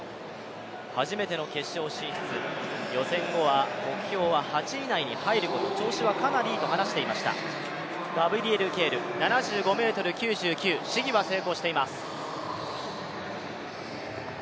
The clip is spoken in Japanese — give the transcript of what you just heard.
初めての決勝進出、予選後は目標は８位以内に入ること調子はかなりいいと話していました、ガブリエル・ケール、７５ｍ９９、試技は成功しています。